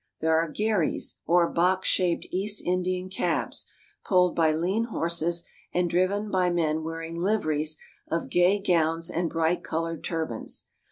There are gharries, or box shaped East Indian cabs, pulled by lean horses and driven by men wearing liveries of gay gowns and bright colored turbans.